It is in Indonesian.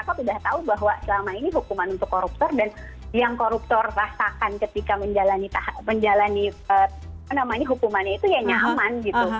masyarakat sudah tahu bahwa selama ini hukuman untuk koruptor dan yang koruptor rasakan ketika menjalani hukumannya itu ya nyaman gitu